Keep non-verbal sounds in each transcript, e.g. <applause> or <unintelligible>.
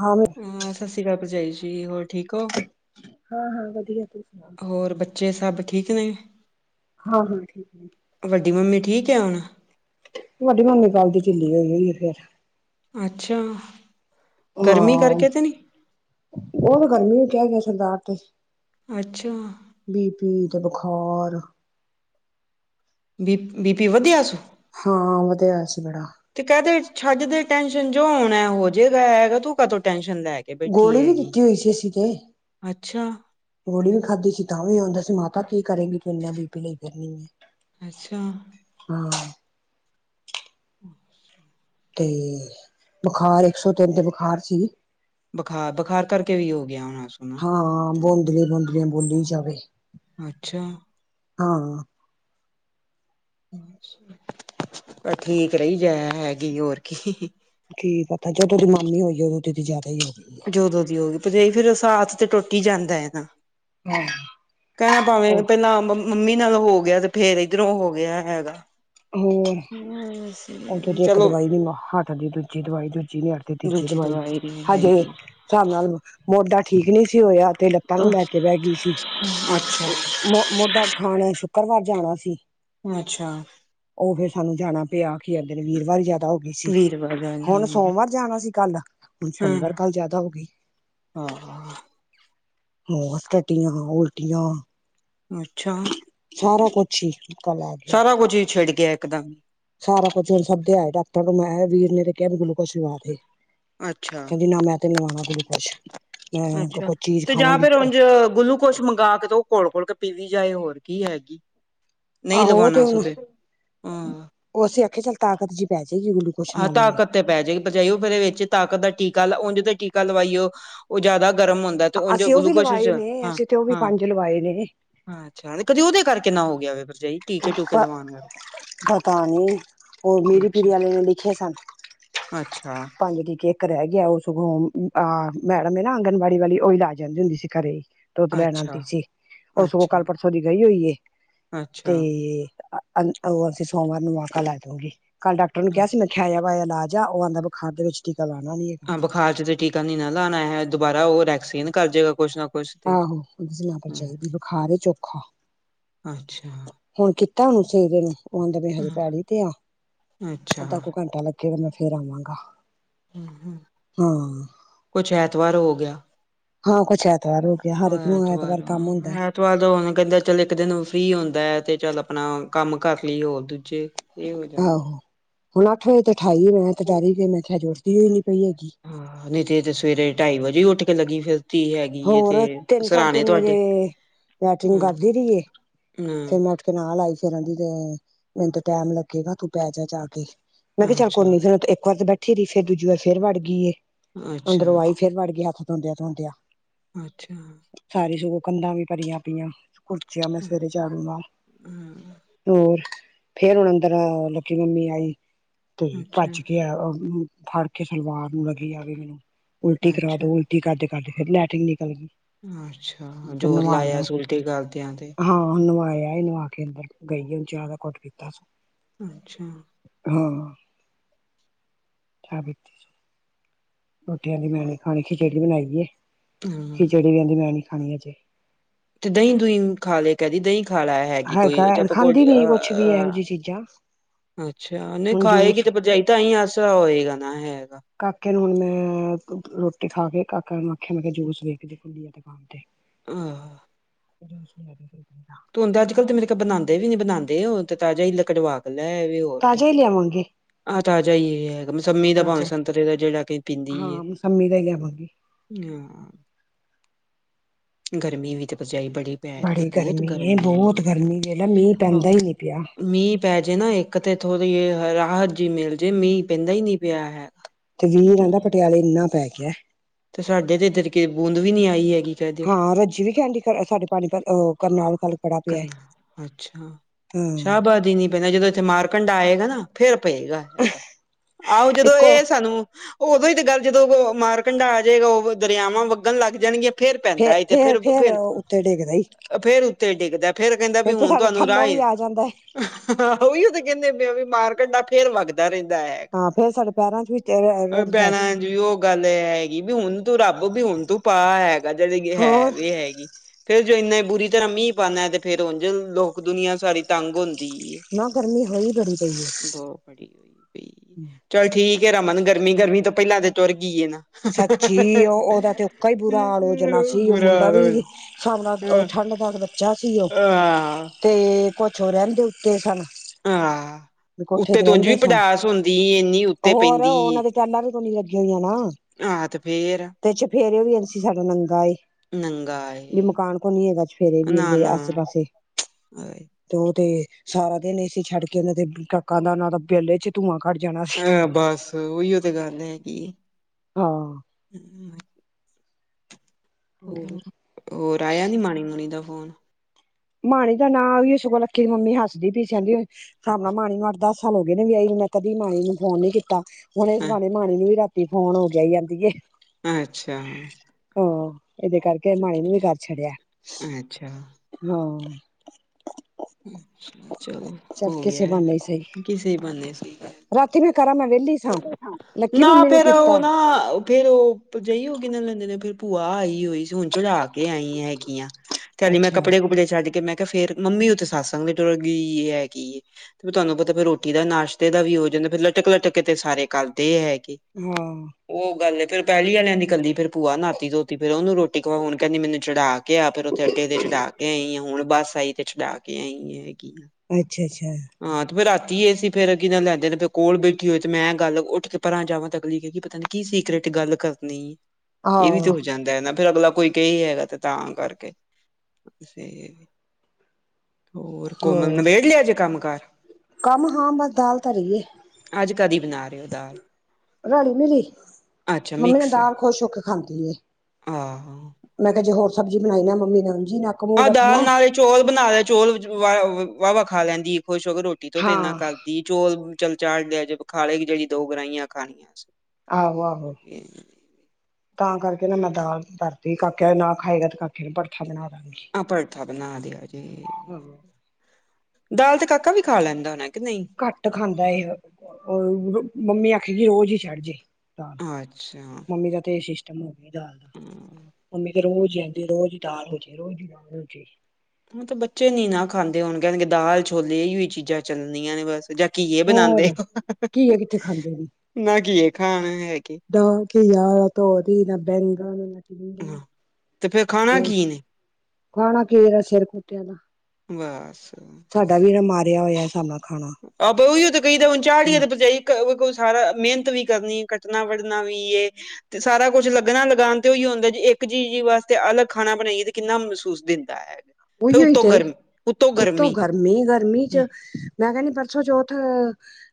ਹਾਂ ਹਾਂ, ਸਤਿ ਸ੍ਰੀ ਅਕਾਲ ਭਰਜਾਈ ਜੀ ਹੋਰ ਠੀਕ ਓ ਹਾਂ ਹਾਂ, ਵਧੀਆ ਤਸੀ ਸੁਣਾ ਹੋਰ ਬੱਚੇ ਸਭ ਠੀਕ ਨੇ। ਹਾਂ ਠੀਕ ਆ। ਵੱਡੀ ਮੰਮੀ ਠੀਕ ਐ ਹੁਣ। ਵਡੀ ਮੰਮੀ ਕੱਲ ਦੀ ਢਿੱਲੀ ਹੋਈ ਹੋਈ ਐ ਫੇਰ। ਅੱਛਾ ਗਰਮੀ ਕਰਕੇ ਤਾਂ ਨੀ। ਬਹੁ ਤੇ ਗਰਮੀ ਵੀ ਕਹਿ ਗਿਆ ਸਰਦਾਰ ਤੇ ਅੱਛਾ, ਬੀ ਪੀ ਤੇ ਬੁਖਾਰ। ਬੀ ਬੀ ਪੀ ਵਧੀਆ ਸੂ ਹਾਂ ਵਧੀਆ ਸੀ ਬੜਾ ਤੇ ਕਹਿਦੇ ਛੱਡ ਦੇ ਟੈਸ਼ਨ ਜੋ ਹੋਣਾ ਹੋ ਜਾੇਗਾ ਹੈਗਾ ਤੂੰ ਕਤੋਂ ਟੈਸ਼ਨ ਲੈ ਕੇ ਬੈਠੀ ਗੋਲੀ ਵੀ ਹੈਗੀ ਦਿੱਤੀ ਹੋਈ ਸੀ ਅਸੀਂ ਤੇ ਅੱਛਾ ਗੋਲੀ ਵੀ ਖਾਧੀ ਸੀ ਤਾਂ ਵੀ ਆਉਂਦਾ ਸੀ ਮਾਤਾ ਕੀ ਕਰੇਗੀ ਤ ਇੰਨਾ ਬੀ ਪੀ ਲਈ ਫਿਰਨੀ ਅੱਛਾ, ਹਾਂ ਅੱਛਾ ਤੇ ਬੁਖਾਰ ਇੱਕ ਸੌ ਤਿੰਨ ਤੇ ਬੁਖਾਰ ਸੀ ਬੁਖਾਰ ਬੁਖਾਰ ਕਰਕੇ ਵੀ ਹੋ ਗਿਆ ਹੋਣਾ ਸਣਾ ਹਾਂ ਬੂੰਦਲੀ ਬੂੰਦਲਆਂ ਬੋਲੀ ਜਾਵੇ ਅੱਛਾ ਹਾਂ ਪਰ ਠੀਕ ਰਹੀ ਜਾਇਆ ਹੈਗੀ ਹੋਰ ਕੀ ਠੀਕ ਆ ਜਦੋਂਦੀ ਮਾਮਮੀ ਹੋਈ ਉਦੋਂ ਤੇਦੀ ਜ਼ਿਆਦਾ ਹੀ ਆ ਆ ਜਦੋ ਦੀ ਹੋ ਪਰਜਾਈ ਫਿਰ ਉਹ ਸਾਥ ਤੇ ਟੁੱਟ ਹੀ ਜਾਂਦਾ ਹੈ ਨਾ ਹਮ ਕਹਿਣਾ ਪਾਵੇਂ ਪਹਿਲਾਂ ਮੰਮੀ ਨਾਲ ਹੋ ਗਿਆ ਤੇ ਫੇਰ ਇੱਧਰੋਂ ਹੋ ਗਿਆ ਹੈਗਾ ਹ ਹਮ ਉਹ ਇੱਕ ਦਵਾਈ ਵੀ ਹਟਦੀ ਦੂਜੀ ਦਵਾਈ ਦੂਜੀ ਨ ਹਟਦੀ ਤੀਜੀ ਦੂਜੀ ਦਵਾਈ ਨੀ ਹਜੇ ਹੈਗੀ। ਹਿਸਾਬ ਨਾਲ ਮੋਢਾ ਠੀਕ ਨੀ ਸੀ ਹੋਇਆ ਤੇ ਲੱਤਾਂ ਨੂੰ ਲੈ ਕੇ ਬਹਿ ਗਈ ਸੀ ਅੱਛਾ, ਮੋਢਾ ਖਾਣ ਅੱਕਰਵਾਰ ਜਾਣਾ ਸੀ ਅੱਛਾ ਉਹ ਫੇਿਰ ਸਾਨੂੰ ਜਾਣਾ ਪਿਆ ਜਾਂਦੇ ਨੇ ਵੀਰਵਾਰ ਜਿਆਦਾ ਹੋ ਗਈ ਸੀ ਵੀਰਵਾਰ ਜਾਣਾ ਹੁਣ ਮੰਮੀ ਸੋਮਵਾਰ ਜਾਣਾ ਸੀ ਕੱਲ ਸ਼ਨੀਵਾਰ ਹੂੰ। ਕੱਲ ਜਿਆਦਾ ਹੋਗੀਈ ਹਾਂ ਹੋਰ ਟੱਟੀਆਂ ਉਲਟੀਆਂ ਅੱਛਾ ਸਾਰਾ ਕੁਛ ਹੀ ਲੈ ਗਿਆ ਸਾਰਾ ਕੁਝ ਛਿਡ ਗਿਆ ਇੱਕਦਮ ਸਾਰਾ ਕੁੱਝ ਹੁਣ ਸੱਦੇਿਆਇਆ ਡਾਟਰਾਂ ਨੂੰ ਮੈਂ ਵੀਰ ਨੇ ਤੇ ਕਿਹਾ ਗਲੂਕੋਜ ਲਵਾ ਦੇ ਅੱਛਾ ਕਹਿੰਦੀ ਨਾ ਮੈਂ ਤੇ ਲਵਾਉਣਾ ਗੁਲਗੋਸ਼ ਅੱਛਾ ਤੇ ਜ ਫੇ ਗਲੂਕ ਕੁੱਛ ਮੰਗਵਾ ਕੇ ਤ ਉਹ ਘੋਲ ਘੋਲ ਕੇ ਪੀਵ ਜਾਏ ਹੋਰ ਕੀ ਹੈਗੀ ਨਹੀਂਹੀ ਆਹੋ ਲਵਾਣਾ ਸੁ ਹੁਣ ਤੇ ਹਾਂ ਉਹ ਅਸੀਂ ਆਖਿਆ ਚੱਲ ਤਾਕਤ ਜੀ ਪੈ ਜਾਏਗੀ ਗਲੂ ਹਾਂ ਤਾਕਤ ਪੈ ਜਾਏਗੀ ਬਚਾਈਓ ਫਿਰ ਵਿੱਚ ਤਾਕਤ ਦਾ ਟੀਕਾ ਉਂਝ ਤੇ ਟੀਕਾ ਲਵਾਈਓ ਉਹ ਜ ਜ਼ਿਆਦਾ ਗਰਮ ਹੁੰਦਾ ਉਝ ਅਸੀਂ ਉਹ ਵੀ ਗਲੂਕੋਸ਼ ਲਵਾਏ ਚ ਨੇ ਹਾਂ ਅਸੀਂ ਤੇ ਉਹ ਵੀ ਹਾਂ ਪੰਜ ਲਵਾਏ ਨੇ ਅੱਛਾ ਤੇ ਕਦੇ ਉਹਦੇ ਕਰਕੇ ਨਾ ਹੋ ਗਿਆ ਵ ਪਰਜਾਈ ਪਤਾ ਨਹੀਂੀ ਉਹ ਮੀਰੀ ਪੀਰੀ ਅੱਛਾ ਵਾਲੇ ਨੇ ਲਿਖੇ ਸਨ ਅੱਛਾ ਪੰਜ ਕੀ ਕੇ ਇੱਕ ਰਹਿ ਗਿਆ ਉਹ ਸਗੋਂ ਅਹ ਮੈਡਮ ਹੈ ਨਾ ਆਂਗਨਵਾੜੀ ਵਾਲੀ ਹੀ ਲਾ ਜਾਂਦੀ ਹੁੰਦੀ ਸੀ ਘਰੇ ਹੀ ਦੁੱਧ ਲੈਣ ਅੱਛਾ ਆਉਂਦੀ ਸੀ ਉਹ ਸਗੋਂ ਅੱਛਾ ਕੱਲ ਪਰਸੋਂ ਦੀ ਗਈ ਹੋਈ ਏ ਅੱਛਾ ਤੇ ਉਹ ਅਸੀਂ ਸੋਮਵਾਰ ਨੂੰ ਮਕਾ ਲੈ ਦਊਗੀ ਕੱਲ੍ਹ ਡਾਕਟਰ ਨੂੰ ਹਾਂ ਕਿਹਾ ਸੀ ਮੈਂ ਕਿਹਾਿਆ ਆਇਆ ਵਾ ਇਲਾਜ ਆ ਉਹਦਾ ਖਾਦ ਦੇ ਵਿੱਚ ਟੀਕਾ ਲਾਣਾ ਨੀ ਹੈ। ਹਾਂ ਬੁਖਾਰ ਚ ਤੇ ਟੀਕਾ ਨੀ ਨਾ ਲਾਉਣਾ ਹੈ। ਦੁਬਾਰਾ ਉਹ ਵੈਕਸੀਨ ਕਰ ਜੇਗਾ ਕੁਛ ਨਾ ਕੁਛ ਤੇ ਹੂੰ, ਆਹੋਚ ਬੁਖਾਰ ਚੋਖਾ ਅੱਛਾ <inaudible> ਹੁਣ ਕੀਤਾ ਹਣੂੰ ਸਨ ਆ ਹਜੇ ਭੈੜ ਤੇ ਆ ਅੱਛਾ ਅੱਧਾ ਕੁ ਹੂੰ, ਘੰਟਾ ਲੱ ਮੈਂ ਫੇਰ ਆਵਾਂਗਾ ਹੂੰ, ਹਾਂ। ਕੁਛ ਐਤਵਾਰ ਹੋ ਗਿਆ। ਹਾਂ ਕੁਛ ਐਤਵਾਰ ਹੋ ਗਿਆ, ਹਰ ਇੱਕ ਨੂੰ ਐਤਵਾਰ ਕੰਮ ਹੁੰਦਾ ਹੈ। ਚੱਲ ਹੁਣ ਕਹਿੰਦਾ ਚੱਲ ਇੱਕ ਦਿਨ ਫ੍ਰੀ ਹੁੰਂਦਾ ਹੈ, ਤੇ ਚੱਲ ਆਪਣਾ ਕੰਮ ਕਰ ਲਈ ਹੋਰ ਦੂਜੇ ਇਹ ਹੋ ਹੈ ਜਾਂਦਾ ਐ। ਆਹੋ ਹੁਣ ਅੱਠ ਵਜੇ ਤੇ ਅਠਾਈ ਮੈਂ ਤੇ ਡਰੀ ਗਏ ਮੈਂ ਕਿਹਾ ਹਜ ਉੜਦੀਈ ਨੀ ਪਈ ਹੈਗੀ। ਹਾਂ, ਨੀ ਤੇ, ਏ ਤੇ ਸਵੇਰੇ, ਢਾਈ ਵਜੇ ਹੀ ਉੱਠ ਕੇ ਲੱਗੀ ਫੇਰ ਹੋਰ ਤਿੰਨ ਸਾਢੇ ਤਿੰਨ ਵਜੇ ਬੈਟਿੰਗ ਹਮ ਕਰਦੀ ਰਹੀ ਏ, ਫਿਰ ਹਮ ਨਟ ਨਾਲ ਆਈ ਸੀ ਊਨਾਦੀ ਤੇ, ਮੈਨੂੰ ਤੇ ਟਾਈਮ ਲੱਗੇਗਾ, ਤੂੰ ਬੈ ਜਾ, ਜਾਕੇ ਮੈਂ ਕਿਹਾ ਚੱਲ ਅੱਛਾ ਕੋਨੀ, ਫਿਰ ਇੱਕ ਵਾਰ ਤੇ ਬੈਠੀ ਰਹੀ, ਫੇਰ ਦੂਜੀ ਵਾਰ ਫੇਰ ਵੜ ਗਈ ਏ, ਅੱਛਾ ਅੰਦਰੋਂ ਆਈ। ਫੇਰ ਵੜ ਗਈ, ਹੱਥ ਧੋਂਦਿਆਂ-ਧੋਂਦਿਆ। ਅੱਛਾ। ਸਾਰੀ ਸਗੋਂ ਕੰਧਾਂ ਵੀ ਭਰੀਆਂ ਪਈਆਂ, ਕੁਰਚੀਆਂ ਮੈਂ ਹਮ ਸਵੇਰੇ ਚਾੜੂਗਾ। ਹੋਰ, ਫੇਰ ਹੁਣ ਅੰਦਰ ਲੱਕੀ ਮੰਮੀ ਆਈ ਤੇ ਅੱਛਾ ਭੱਜ ਗਿਆ, ਔ ਫੜ ਕੇ ਸਲਵਾਰ ਨੂੰ ਲਗੀ ਆਵੇ, ਮੈਨੂੰ ਉਲਟੀ ਕਰਾ ਅੱਛਾ ਦੋ। ਕਰਦੇ-ਕਰਦੇ ਫਿਰਰ ਲੈਟਿੰਗ ਨਿਕਲ ਗਈ। ਅੱਛਾ ਤੇ ਜ਼ੋਰ ਲਾਇਆ ਨਵਾਇਆਂ, ਸੀ ਉਲਟੀ ਕਰਦਿਆਂ ਤੇ ਹਾਂ ਨਵਾਇਆ ਨਵਾ ਕੇਂਦਰ ਗਈ, ਹੁਣ ਚਾਹ ਦਾ ਘੁੱਟ ਪੀਤਾ ਸੂ। ਅੱਛਾ। ਹਾਂ। ਬ ਰੋਟੀ ਆਦੀ ਮੈਂ ਨੀ ਖਾਣੀ, ਖਿਚੜੀ ਬਣਾਈਏ, ਹਮ ਖਿਚੜੀ ਕਹਿੰਦੀ ਮੈਂ ਨੀ ਖਾਣੀ ਹਜੇ ਤੇ ਦਹੀਂ ਦੂਹੀਂ ਖਾ ਲਏ, ਕਹਿਦੀ ਦਹੀਂ ਖਾ ਲਾ ਹੈ। ਹੈਗੀ ਕੋਈ ਹੈਗਾ ਜ ਆਪਾਂ, ਖਾਂਦੀ ਨੀ ਕੁਛ ਵੀ ਇਹੋ ਜਿਹੀ ਚੀਜ਼ਾਂ ਅੱਛਾ, ਨਹੀਂ ਹੁਣ ਖਾਏਗੀ ਜੂਸ ਤੇ ਪਰਜਾਈ ਤਾਂ ਹੀ ਅਸਰ ਹੋਏਗਾ ਨਾ, ਹੈਗਾ। ਕਾਕੇ ਨੂੰ ਹੁਣ ਮੈਂ ਰੋਟੀ ਖਾ ਕੇ, ਕਾਕਾ ਨੂੰ ਆਖਿਆ, ਮੈਂ ਕਿਹਾ ਜੂਸ ਵੇਖਦੀ ਆ ਦੁਕਾਨ ਤੇ। ਆਹ। ਉਹ ਸੁੋ ਨੂੰ ਫ <inaudible> ਤੂੰ ਹੁੰਦਾ ਅੱਜ ਕੱਲ੍ਹ ਤੇ ਮੈਂ ਕੇਹਾ ਬਨਾਉਂਦੇ ਵੀ ਨੀ, ਬਣਾਉਦੇ ਔ ਤੇ ਤਾਜਾ ਹੀ ਕਢਵਾ ਕੇ ਲੈ ਆਵੇ ਔ ਤਾਜ਼ਾ ਹੀ ਲਿਆਵਾਂਗੇ। ਆਹ ਤਾਜ਼ਾ ਹੀ ਇਹ ਹੈਗਾ ਹਾਂ ਮੌਸਮਬੀ ਦਾ, ਭਾਵੇਂ ਤਾਜ਼ਾ ਸੰਤਰੇ ਦਾ, ਜਿਹੜਾ ਕਿ ਪੀਂਦੀ ਹੈ ਹਾਂ, ਮੌਸਮਬੀ ਦਾ ਹੀ ਲਿਆਵਾਂਗੀ। ਹਾਂ। ਗਰਮੀ ਵੀ ਭਰਜਾਈ ਬੜੀ। ਪੈ ਰਹੀ ਹੈ, ਬਹੁਤ ਗਰਮੀ, ਬਹੁਤ ਗਰਮੀ ਵੇਲਾ ਮੀਂਹ ਹੂ ਪੈਂਦਾ ਹੀ ਨੀ ਪਿਆ ਮੀਂਹ ਪੈ ਜੇ ਨਾ ਇੱਕ, ਤੇ ਥੋੜ੍ਹੀ ਜ ਰਾਹਤ ਜੀ ਮਿਲ ਜੇ, ਮੀਂਹ ਪੈਂਦਾ ਹੀ ਨਹੀਂ ਪਿਆ ਹੈਗਾ। ਇਥੇ ਮੀਂਹ ਨਹੀ ਠੀਕ ਹੈ ਪੈਂਦਾ, ਜੀ ਪਟਿਆਲੇ ਇੰਨਾ ਪੈ ਗਯਾ ਤੇ ਸਾਡੇ ਤੇ ਇੱਧਰ ਕਿ, ਬੂੰਦ ਵੀ ਨੀ ਆਈ ਹੈਗੀ ਕਹਿ ਦਿਓ ਹਾਂ ਰੱਜੀ ਵੀ ਕਹਿੰਦੀ, ਸਾਡੇ। ਪਾਨੀਪਤ, ਔ ਕਰਨਾਲ ਕਲ ਕਰਨਾ, ਅੱਛਾ ਹਮ ਸ਼ਾਹਬਾਦੀ ਨੀ ਪੈਣਾ, ਜਦੋਂ ਇੱਥੇ ਮਾਰਕੰਡਾ ਆਏਗਾ ਨਾ। ਫਿਰ ਪਏਗਾ ਹੈਗਾ, ਆਓ ਜਦੋਂ ਇੱਕੋ ਇਹ ਸਾਨੂੰ ਉਦੋਂ ਹੀ ਤਾਂ ਗੱਲ, ਜਦੋਂ ਮਾਰ ਕੰਡਾ ਆ ਜਾਏਗਾ, ਉਹ ਦਰਿਆਵਾਂ ਵੱਗਣ ਲੱਗ ਜਾਣਗੀਆਂ। ਫੇਰ ਫੇ ਪੈਂਦਾ ਏ, ਤੇ ਫੇਰ ਉੱਤੇ ਡਿੱਗਦਾ ਹੀ ਫੇਰ-ਫੇਰ ਉੱਤੇੇ ਡਿੱਗਦਾ ਫੇਰ ਕਹਿੰਦਾ ਵੀ ਤੇ ਹੁਣ ਸਾਡੇ ਤੁਹਾਨੂੰ ਰਾਹ ਥੱਲੋਂ ਐ, ਵੀ ਆ ਜਾਂਦਾ ਹੈ ਔ ਹੀ ਤੇ ਕਹਿੰਦੇ ਮਾਰ ਕੱਢਾ ਫਿਰ ਵੱਗਦਾ ਰੈਂਦਾ ਐ। ਹਾਂ ਫੇਰ ਸਰਟਦੈ ਰਾਂਜ ਵੀ ਤੇਰਾ ਹੈ ਭੈਣਾਂ ਜੀ ਓ ਗੱਲ ਐ ਹੈਗੀ ਵੀ ਹੁਣ ਤੂੰ ਰੱਬ ਵੀ ਹੁਣ ਤੂੰ ਪਾ ਹੈਗਾ <unintelligible> ਹੈ ਹੋਰ ਵੀ ਹੈ ਫੇਰ ਜੋ ਇੰਨੇ ਬੁਰੀ ਤਰ੍ਹਾਂ ਮੀਂਹ ਪਾਣਾ, ਤੇ ਫੇਰ ਉਂਜ ਲੋਕ ਦੁਨੀਆਂ ਸਾਰੀ ਤੰਗ ਹੁੰਦੀ ਏ। ਨਾ ਗਰਮੀ ਹੋਈ ਬੜੀ ਪਈ ਏ। ਬੜੀ ਹੋਈ ਪਈ ਚੱਲ ਠੀਕ ਐ, ਰਮਨ ਗਰਮੀ ਗਰਮੀ ਤੋਂ ਪਹਿਲਾਂ ਤੇ ਟੁਰ ਗੀ ਏ ਨਾ। ਸੱਚੀ ਓ ਉਦਾ ਤੇ ਓਕਾ ਈ ਬੁਰਾ ਹਾਲ ਹੋ ਜਨਾ ਸੀ ਓ ਬੁਰਾ ਮੁੰਡਾ ਹਾਲ ਵੀ ਹੋ ਜਾ <unintelligible> ਹਾਂ ਠੰਡ ਪਾਲਦਾ ਬੱਚਾ ਸੀ ਉਹ ਆਹ ਤੇ ਕੁੱਛ ਰੈਂਦੇ ਈ ਉੱਤੇ ਸਨ। ਹਾਂ ਕੋਠੇ ਉੱਤੇ ਤੇ ਤਾਂ ਉਂਜ ਵੀ ਰਹਿੰਦੇ ਸਨ ਪਡਾਸ ਹੁੰਦੀ ਏ ਏਨੀ ਉੱਤੇ ਹੋਰ ਪੈਂਦੀ ਏ। ਉਹਨਾਂ ਦੇ ਟੈਲਾਂ ਕੋਈ ਵੀ ਲੱਗੀਆਂ ਹੋਈਆਂ ਨਾ। ਹਾਂ ਤੇ ਫਿਰ ਤੇ ਚਫੇਰੇ ਵੀ ਏਸੀ ਨੰਗਾ ਏ। ਨੰਗਾ ਵੀ ਏ ਮਕਾਨ ਕੋਨੀ ਹੈਗਾ ਚਫੇਰੇ ਵੀ ਨਾ ਏਦੇ ਨਾ ਆਸੇ-ਪਾਸੇ ਤੇ ਓ ਤੇ ਸਾਰਾ ਦਿਨ ਏਸੀ ਛੱਡ ਕੇ ਓਨਾਂ ਦੇ ਕਾਕਾਂ ਦਾ ਓਨਾਂ ਦੇ ਬੇਲੇ ਚ ਧੂੰਆਂ ਘੱਟ ਜਾਣਾ ਸੀ ਹਾਂ ਬਸ ਓਹੀਓ ਤੇ ਗੱਲ ਹੈਗੀ। ਹਾਂ। ਹੂ,,, ਹੋਰ ਆਇਆ ਨੀ ਮਾਣੀ-ਮੁਣੀ ਦਾ ਫੋਨ? ਮਾਣੀ ਦਾ ਨਾਂ ਵੀ ਉਸ ਕੋਲ ਦੀ ਮੰਮੀ ਹੱਸਦੀ ਪਈ ਚਲੀਏ ਹਿਸਾਬ ਨਾਲ ਮਾਣੀ ਨੂੰ ਅੱਠ ਦਸ ਹੋ ਗੇ ਨੇ ਵਿਆਹੀ ਨੂੰ ਮੈਂ ਕਦੀ ਮਾਣੀ ਨੂੰ ਫੋਨ ਨੀ ਕੀਤਾ। ਹੁਣ ਏਸ ਬਹਾਨੇ ਮਾਣੀ ਨੂੰ ਵੀ ਰਾਤੀ ਫੋਨ ਹੋ ਗਿਆ ਜਾਂਦੀ ਏ। ਅੱਛਾ। ਹਾਂ ਏਦੇ ਕਰਕੇ ਮਾਣੀ ਨੂੰ ਵੀ ਕਰ ਛੱਡਿਆ। ਅੱਛਾ। ਹਾਂ। ਅੱਛਾ ਚਲੋ ਚੱਲ ਹੋ ਕਿਸੇ ਗਿਆ ਬਹਾਨੇ ਹੀ ਸਹੀ ਕਿਸੇ ਬਾਨੇ ਸੀ। ਰਾਤੀ ਕਰਾਂ ਮੈਂ ਵੇਲੀ। ਨਾ ਫਿਰ ਓ ਨਾ ਫਿਰ ਓ <unintelligible> ਹੋਗੀ ਲੈਂਦੇ ਨੇ ਫਿਰ ਭੂਆ ਆਈ ਹੋਈ ਸੀ ਹੁਣ ਚੜਾ ਕੇ ਆਈ ਹੈਗੀ ਆਂ। <unintelligible> ਮੈਂ ਅੱਛਾ ਕੱਪੜੇ-ਕੁੱਪੜੇ ਛੱਡ ਕੇ ਮੈਂ ਕਾ ਫਿਰ ਮੰਮੀ ਉੱਥੇ ਸੱਸ ਸਤਸੰਗ ਤੇ ਤੁਰ ਗਈ ਹੈਗੀ ਏ। ਵੀ ਤੁਹਾਨੂੰ ਪਤਾ ਫਿਰ ਰੋਟੀ ਦਾ ਨਾਸ਼ਤੇ ਦਾ ਵੀ ਹੋ ਜਾਂਦਾ ਫਿਰ ਲਟਕ ਲਟਕ ਕੇ ਤੇ ਸਾਰੇ ਕਰਦੇ ਹੈਗੇ। ਹਾਂ। ਓ ਗੱਲ ਫਿਰ ਪਹਿਲੀ ਆਲਿਆਂ ਵੱਲ ਨਿਕਲੀ ਫਿਰ ਭੂਆ ਨਾਤੀ ਤੋਂ ਤੇ ਫਿਰ ਉਹਨੂੰ ਰੋਟੀ ਖਵਾ ਹੁਣ ਕੈਂਦੀ ਮੈਨੂੰ ਚੜਾ ਆ ਕੇ ਫਿਰ ਉੱਥੇ ਅੱਡੇ ਤੇ ਚੜਾ ਕੇ ਆਈ ਆਂ ਹੁਣ ਬਸ ਆਈ ਤੇ ਚੜਾ ਕ ਕੇ ਆਈ ਕੀ। ਅੱਛਾ-ਅੱਛਾ। ਹਾਂ ਤੇ ਫਿਰ ਰਾਤੀ ਏਸੀ ਫਿਰ ਕੀ ਨਾ ਲੈਂਦੇ ਨੇ ਫਿਰ ਕੋਲ ਬੈ ਥੱਕੀ ਹੋਏ ਤੇ ਮੈਂ ਗੱਲ ਉੱਠ ਕੇ ਪਰਾਂ ਜਾਵਾਂ ਤੇ ਅਗਲੀ ਕਏਗੀ ਪਤਾ ਨੀ ਕੀ ਸਿਗਰਟ ਗੱਲ ਕਰਨੀ। ਏ ਵੀ ਤੇ ਆਹੋ ਹੋ ਜਾਂਦਾ ਫਿਰ ਅਗਲਾ ਕੋਈ ਤੇ ਤਾਂ ਕਰਕੇ ਤੇ ਹੋਰ ਕੋਮਲ ਨਿਬੇੜ ਲਿਆ ਜੇ ਕੰਮ-ਕਾਰ ਕੰਮ ਹਾਂ ਬਸ ਦਾਲ ਤਰੀ ਏ। ਅੱਜ ਕਾਦੀ ਬਣਾ ਰੇ ਓ ਦਾਲ? ਬਨੰਦੀ ਨਹੀਂ ਪਈ ਅੱਛਾ ਮੰਮੀ ਨਾਲ ਦਾਲ ਖੁਸ਼ ਹੋ ਕੇ ਖਾਂਦੀ ਏ। ਹਾਂ। ਮੈਂ ਕਾ ਜੇ ਹੋਰ ਸਬਜ਼ੀ ਬਣਾਈ ਨਾ ਮੰਮੀ ਨੇ ਉਂਜ ਹੀ ਨੱ ਆਹ ਦਾਲ ਨਾਲੇ ਚੌਲ ਬਣਾ ਲਿਆ ਚੋਲ ਵ ਵਾਹ ਵਾਵਾ ਖਾ ਲੈਂਦੀ ਖੁਸ਼ ਹੋ ਕੇ ਰੋਟੀ ਤੋਂ ਤੇ ਇਨਾ ਹਾਂ ਕਰ ਦੀ ਚੋਲ ਚੱਲ ਚਾੜ ਲਿਆ ਜੇ ਖਾਲੇਗੀ ਜੇੜੀ ਦੋ ਗਰਾਹੀਆਂ ਖਾਣੀਆਂ ਸੇ। ਆਹੋ ਆਹੋ ਤਾਂ ਕਰਕੇ ਨਾ ਮੈਂ ਦਾਲ ਧਰਤੀ ਕਾਕੇ ਆਂ ਨਾ ਖਾਏਗਾ ਤੇ ਕਾ ਫਿਰ ਪਰਥਾ ਬਣਾਦਾਂ ਗੀ। ਆ ਪਰੜਥਾ ਬਣਾ ਦੀਆ ਜੀ। ਦਾਲ ਤੇ ਕਾਕਾ ਵੀ ਖਾ ਲੈਂਦਾ ਹੋਣਾ ਕੇ ਨਹੀਂ ਘੱਟ ਖਾਂਦਾ ਇਹ ਮੰਮੀ ਆਖੇ ਕਿ ਰੋਜ਼ ਹੀ ਚੜ ਜੇ। ਅੱਛਾ ਹੂੰ, ਮੰਮੀ ਦਾ ਤੇ ਇਹ ਸਿਸਟਮ ਹੋ ਗਿਆ ਦਾ ਮੰਮੀ ਤੇ ਰੋਜ਼ ਰੋਜ਼ ਹੀ ਦਾਲ ਹੋ ਜੇ ਰੋਜ਼ ਹੀ ਦਾਲ ਹੋ ਤਾਂ ਬੱਚੇ ਨੀ ਨਾ ਖਾਂਦੇ ਹੋਣ ਕਹਿਗੇ ਦਾਲ ਛੋਲੇ ਇਹੋ ਹੀ ਚੀਜ਼ਾਂ ਚੱਲਣਦੀਆਂ ਨੇ ਬਸ। ਜਾਂ ਕੀਏ ਬਣਾਉਂਦੇ ਹੋਰ ਹੋ ਘੀਆ ਕਿੱਥੇ ਖਾਂਦੇ ਨੇ ਨਾ ਕੀਏ ਖਾਣ ਹੈ। ਨਾ ਘੀਆਂ ਧੋਰੀ ਨਾ ਬੈਂਗਣ ਹਾਂ ਤੇ ਫਿਰ ਖਾਣਾ ਹੋਰ ਕੀ ਨੇ। ਖਾਣਾ ਕਿ ਦਾ ਸਿਰ ਕੁਟਿਆ ਦਾ। ਬੱਸ। ਸਾਡਾ ਵੀ ਇਹ ਮਾਰਿਆ ਹੋਇਆ ਨਾਲ ਖਾਣਾ। ਆਹ ਬਹੀਓ ਤੇ ਕਹੀ ਤਾਂ ਹੁਣ ਚਾੜੀਏ ਹੂੰ ਤੇ ਪਰਜਾਈ। ਕੋਈ ਸਾਰਾ ਮਿਹਨਤ ਵੀ ਕਰਨੀ ਹੈ ਕੱਟਣਾ ਵਢਨਾ ਵੀ ਏ। ਤੇ ਸਾਰਾ ਕੁੱਛ ਲੱਗਣਾ ਲਗਾਉਣ ਤੇ ਓਹੀ ਹੁੰਦਾ ਜ ਇੱਕ ਚੀਜ਼ ਵਾਸਤੇ ਅਲਗ ਖਾਣਾ ਬਣਾਈਏ। ਕਿੰਨਾ ਮਹਿਸੂਸ ਦਿੰਦਾ ਹੈਗਾ ਫਿਰ ਉੱਤੋਂ ਗਰਮ ਉੱਤੋਂ ਗਰਮੀ। ਇੰਨੀ ਗਰਮੀ ਚ ਮੈਂ ਕਹਿਦੀ ਪਰਸੋਂ ਚੌਥ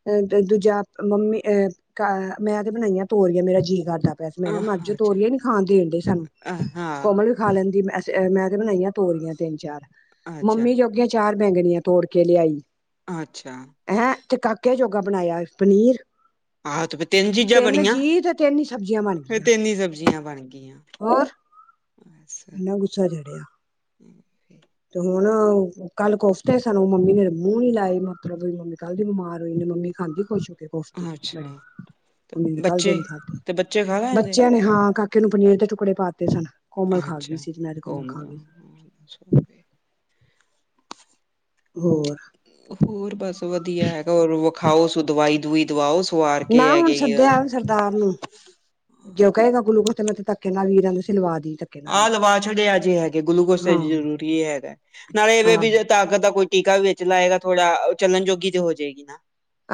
ਅ ਦੂਜਾ ਮੰਮੀ ਅਹ ਮੈਂ ਤੇ ਬਣਾਈ ਆ ਤੋਰੀਆ ਮੇਰਾ ਜੀਅ ਕਰਦਾ। ਪੈਸ ਮੈਂ ਨਾ ਮਰਜ਼ੋ ਆਹ ਅੱਛਾ ਤੋਰੀਏ ਨੀ ਖਾਣ ਦੇ ਦਣ ਦਯੇ ਸਾਨੂੰ ਹਾਂ ਕੋਮਲ। ਖਾ ਲੈਂਦੀ ਮੈਂ ਤੇ ਬਣਾਈਆ ਤੋਰੀਆਂ ਤਿੰਨ ਚਾਰ ਅੱਛਾ ਮੰਮੀ ਜੋਗਿਆ ਚਾਰ ਬੈਂਗਣੀਆਂ ਤੋੜ ਕੇ ਲਿਆਈ। ਅੱਛਾ। ਹੈਂ ਤੇ ਕਾਕੇ ਜੋਗਾ ਬਣਾਇਆ ਪਨੀਰ। ਆਹੋ ਤੇ ਫਿਰ ਚੀਜ਼ਾਂ ਤਿੰਨ ਜੀ ਤੇ ਤਿੰਨ ਹੀ ਸਬਜ਼ੀਆਂ ਬਣ ਗਿਆਂ। ਕਿੰਨੀ ਸਬਜ਼ੀਆਂ ਬਣ ਗਈਆਂ। ਹੋਰ ਇਨਾ ਗੁੱਸਾ ਚੜਿਆ। ਤੇ ਹੁਣ ਕੱਲ ਕੋਫਤੇ ਸਨ ਮੰਮੀ ਨੇ ਮੂੰਹ ਨੀ ਲਾਏ ਮਤਲਬ ਮੰਮੀ ਕੱਲ ਦੀ ਬਿਮਾਰ ਹੋਈ ਮੰਮੀ। ਖਾਂਦੀ ਖੁਸ਼ ਹੋ ਕੇ ਕੋਫਤੀ ਅੱਛਾ, ਬੜੇ ਤੇ ਉਹਣੇ ਕਲ ਦੇ ਬੱਚੇ ਨੀ ਖਾਦੇ ਤੇ ਬੱਚੇ ਖਾ ਲੈਂਦੇ, ਬੱਚਿਆਂ ਨੇ ਹਾਂ ਕਾਕੇ ਨੂੰ ਪਨੀਰ ਦੇ ਟੁਕੜੇ ਪਾਤੇ ਸਨ ਕੋਮਲ ਖਾ ਗਈ ਸੀ ਜਨੈ ਤੇ ਕੋਮਲ ਖਾ ਗਈ। <inaudible> ਹੋਰ ਹੋਰ ਬਸ ਵਧੀਆ ਹੈਗਾ ਹੋਰ ਵਖਾਓ ਦਵਾਈ ਦਵੁਈ ਦਵਾਓ। ਕੁਆਰ ਕੇ ਨਾ ਹੁਣ ਹੈਗੇਆ। ਸੱਦਿਆ ਸਰਦਾਰ ਨੂੰ ਜੋ ਕਹੇਗਾ ਗੁਲੂਕੋਜ਼ ਤੇ ਧੱਕੇ ਨਾਲ ਵੀਰਾਂ ਕਹਿੰਦਾ ਸੀ ਲਵਾਦੀ ਆਹ ਲਵਾ ਛੱਡੇ ਜੇ ਹੈਗੇ ਗਲੂਕੋਸ ਤੇ ਹਾਂ ਜ਼ਰੂਰੀ ਹੈਗਾ ਨਾਲੇ ਇਹਵੇ ਵੀ ਆਹੋ ਤਾਕਤ ਦਾ ਕੋਈ ਟੀਕਾ ਵੀ ਵੇਚ ਲਏਗਾ ਥੋੜਾ ਉਹ ਚੱਲਣ ਜੋੋਗੀ ਤੇ ਹੋ ਜਾਏਗੀ ਨਾ।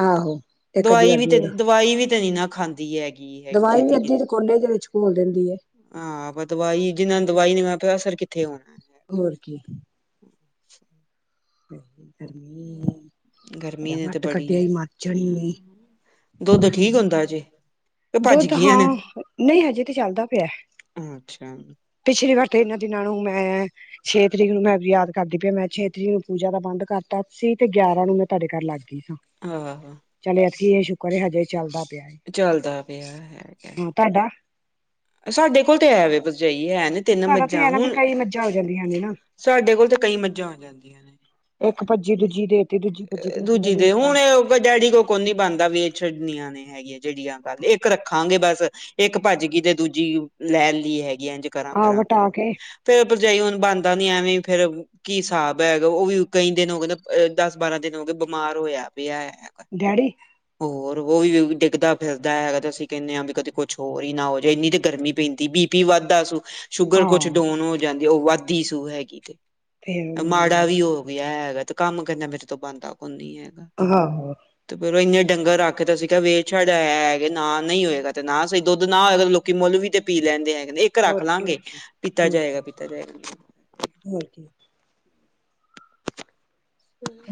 ਆਹੋ ਇੱਕ ਅੱਧੀ ਦਵਾਈ ਵਾਰ ਵੀ ਤ ਪੀੜ ਦਵਾਈ ਵੀ ਤਨੀ ਨਾ ਖਾਂਦੀ ਹੈਗੀ ਹੈਗੀ ਦਵਾਈ ਵੀ ਛੇਤੀ ਅੱਧੀ ਕਿਤੇ। ਤੇ ਕੋਲੇ ਦੇ ਵਿੱਚ ਘੋਲ ਦਿੰਦੀ ਹੈ। ਹਾਂ, ਆਪਾਂ ਦਵਾਈ ਜਿੰਨਾ ਨੂੰ ਦਵਾਈ ਨੀ ਮੈਂ ਪਿਆ ਅਸਰ ਕਿੱਥੇ ਹੋਣਾ। ਹੈ। ਹੋਰ ਕੀ। ਗਰਮੀ ਗਰਮੀ ਡਾ ਨੇ ਤੇ ਕਟ ਬੜੀ ਕੱਢਿਆ ਏ ਈ ਮਰ ਜਾਣੀ ਨੇ। ਹੂੰ ਦੁੱਧ ਠੀਕ ਹੁੰਦਾ ਜੇ। ਭੱਜ ਦੁੱਧ ਗਈਆਂ ਨੇ ਹਾਂ ਨਹੀਂ ਹਜੇ ਤੇ ਚੱਲਦਾ ਪਿਆ। ਅੱਛਾ ਪਿਛਲੀ ਵਾਰ ਤਾਂ ਇਹਨਾਂ ਦਿਨਾਂ ਨੂੰ ਮੈਂ ਛੇ ਤਰੀਕ ਨੂੰ ਮੈਂ ਯਾਦ ਕਰਦੀ ਪਿਆ ਮੈਂ ਛੇ ਤਰੀਕ ਨੂੰ ਪੂਜਾ ਦਾ ਬੰਦ ਕਰਤਾ ਸੀ ਤੇ ਗਿਆਰਾਂ ਨੂੰ ਮੈਂ ਤੁਹਾਡੇ ਘਰ ਲੱਗਦੀ ਸਾਂ। ਹਾਂ। ਚਲ ਅਸੀ ਇਹ ਸ਼ੁਕਰ ਹਜੇ ਚੱਲਦਾ ਪਿਆ। ਚੱਲਦਾ ਪਿਆ ਹੈਗਾ ਹੂੰ, ਤਾਡਾ ਸਾਡੇ ਕੋਲ ਤੇ ਐ ਵੇ ਬਰਜਹੀ ਹੈ ਨੇ। ਤਿੰਨ ਤੁਹਾਡਾ ਤੇ ਮੱਝਾਂ ਐ ਨਾ ਫਿਰ ਹੁਣ ਕਈ ਮੱਝਾਂ ਹੋ ਜਾਂਦੀਆਂ ਨੇ ਨਾ। ਸਾਡੇ ਕੋਲ ਤਾਂ ਕਈ ਮੱਝਾਂ ਆ ਜਾਂਦੀਆਂ ਨੇ। ਇੱਕ ਭੱਜੀ ਦੂਜੀ ਦੇਤੀ ਦੂਜੀ ਭੱਜੀ ਤੀਜੀ ਨੇ ਦੂਜੀ ਦੇ ਦੇਤਾ ਹੁਣ ਏਹ ਡੈਡੀ ਕੋ ਕੋਣੀ ਬਣਦਾ ਵੇਚ ਛੱਡਨੀਆਂ ਨੇ ਹੈਗੀ ਆ ਜੇੜੀਆਂ ਗੱਲ ਇੱਕ ਰੱਖਾਂਗੇ ਬਸ ਇੱਕ ਭੱਜ ਗੀ ਤੇ ਦੂਜੀ ਲੈ ਲੀ ਹੈਗੀ ਆ ਐੰਝ। ਕਰਾਂ ਆਹ ਕਰਾਂਗੇ। ਹ ਵਟਾ ਕੇ ਫੇਰ ਭਰਜਾਈ ਹੁਣ ਬਣਦਾ ਨੀ ਐਵੇਂ ਫੇਰ ਕੀ ਸਾਬ ਹੈ, ਓਹ ਵੀ ਕਈ ਦਿਨ ਹੋਗੇ ਅ ਦਸ ਬਾਰਾਂ ਦਿਨ ਹੋਗੇ, ਬਿਮਾਰ ਹੋਇਆ ਪਿਆ ਹੈਗਾ। ਡੈਡੀ। ਹੋਰ ਓਹ ਵੀ ਡਿੱਗਦਾ ਫਿਰਦਾ ਹੈਗਾ ਤੇ ਅਸੀਂ ਕਹਿੰਦੇ ਆਂ ਵੀ ਕਦੀ ਕੁਛ ਹੋਰ ਹੀ ਨਾ ਹੋ ਜੇ, ਏਨੀ ਤੇ ਗਰਮੀ ਪੈਂਦੀ ਬੀ। ਪੀ ਵਾਧਦਾ ਸੂ, ਸ਼ੂਗਰ ਕੁਛ ਆਹ ਡੋਨ ਹੋ ਜਾਂਦੀ ਓਹ ਵੱਧਦੀ ਸੂ ਹੈਗੀ ਤੇ ਫੇਰ ਮੰਮੀ ਮਾੜਾ ਵੀ ਵਾਂਗ। ਹੋ ਗਿਆ ਹੈਗਾ ਤੇ ਕੰਮ ਕਹਿੰਦਾ ਮੇਰੇ ਤੋਂ ਬਣਦਾ ਕੋ ਨੀ ਹੈਗਾ। ਅਹਾ ਹਾ। ਤੇ ਫੇਰ ਓਹੀਓ ਡੰਗਰ ਰੱਖਦਾ ਸੀਕ ਤੇ ਅਸੀ ਕਿਆ ਵੇਚ ਛੱਡ ਹੈ ਹੈਗੇ ਨਾ ਨਹੀਂ ਹੋਏਗਾ ਤੇ ਨਾ ਸਹੀ ਦੁੱਧ ਨਾ ਹੋਏਗਾ ਤਾਂ ਲੋ ਕੀ ਮੁਲ ਵੀ ਤੇ ਪੀ ਲੈਂਦੇ ਹੈਗੇ ਨੇ ਇੱਕ ਰੱਖ ਹੋਰ ਕੀ ਲਵਾਂਗੇ, ਹੋਰ ਕੀ ਪੀਤਾ ਹੋਰ ਜਾਏਗਾ ਕੀ ਪੀਤਾ ਜਾਏਗਾ। ਹੋਰ ਕੀ।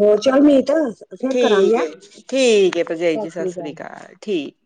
ਹੋਰ ਚੱਲ ਮੀਤ ਫੇਰ ਕਰਾਂਗੇ ਠੀਕ ਹੈਂ ਏ ਠੀਕ ਏ, ਭਰਜਾਈ ਜੀ ਸਤਿ ਸ੍ਰੀ ਅਕਾਲ ਠੀਕ।